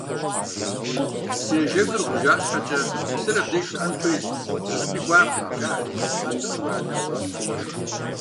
Псыежэхыр гъужа щхьэкӏэ, псыр абдеж щыӏэн хуейщ, зыщӏыпӏи кӏуакъым жаӏэри, къатӏыну мурад ящӏащ.